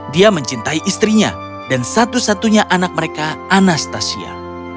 dia mencintai istrinya dan satu satunya anak mereka anastasia